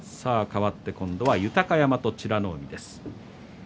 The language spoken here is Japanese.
変わって土俵は豊山と美ノ海です。